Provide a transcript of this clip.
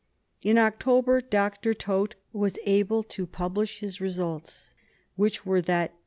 In October Dr. Taute was able to publish his results, which were that G.